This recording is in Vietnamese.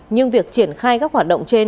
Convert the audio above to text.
nhưng việc triển khai các hoạt động trên